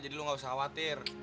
jadi lo gak usah khawatir